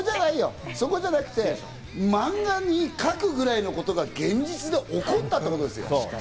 そこじゃなくて漫画に描くくらいのことが現実で起こったってことですよ。